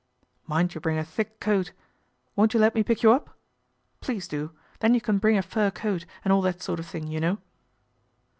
" Mind you bring a thick coat. Won't you let me pick you up ? Please do, then you can bring a fur coat and all that sort of thing, you know."